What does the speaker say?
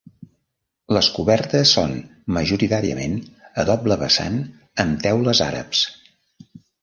Les cobertes són majoritàriament a doble vessant amb teules àrabs.